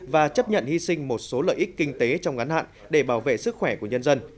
và chấp nhận hy sinh một số lợi ích kinh tế trong ngắn hạn để bảo vệ sức khỏe của nhân dân